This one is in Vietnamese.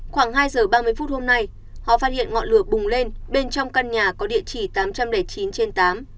khoảng hai giờ ba mươi phút hôm nay họ phát hiện ngọn lửa bùng lên bên trong căn nhà có địa chỉ tám trăm linh chín trên tám